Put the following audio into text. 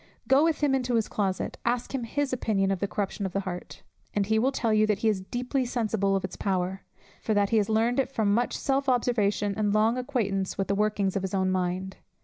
Go with him into his closet, ask him his opinion of the corruption of the heart, and he will tell you that he is deeply sensible of its power, for that he has learned it from much self observation and long acquaintance with the workings of his own mind.